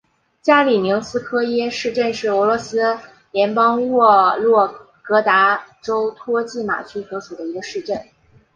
加里宁斯科耶市镇是俄罗斯联邦沃洛格达州托季马区所属的一个市镇。